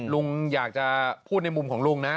ลุงอยากจะพูดในมุมของลุงนะ